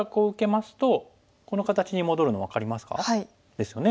ですよね。